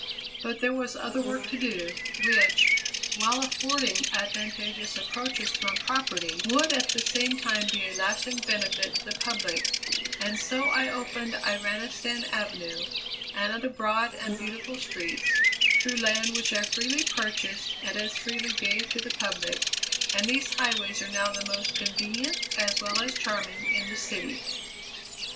But there was other work to do, which, while affording advantageous approaches to my property, would at the same time be a lasting benefit to the public; and so I opened Iranistan Avenue, and other broad and beautiful streets, through land which I freely purchased and as freely gave to the public, and these highways are now the most convenient as well as charming in the city.